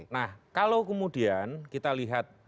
nah kalau kemudian kita lihat